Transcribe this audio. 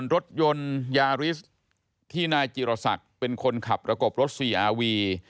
รถยนต์ยาฤทธิ์ที่นายจิรษักร์เป็นคนขับระกบรถสี่อาร์วี